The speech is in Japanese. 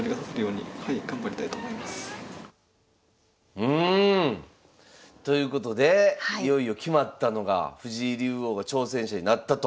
うん！ということでいよいよ決まったのが藤井竜王が挑戦者になったと。